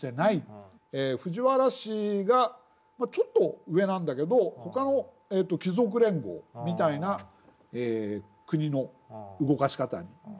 藤原氏がちょっと上なんだけどほかの貴族連合みたいな国の動かし方になるんじゃないですかね。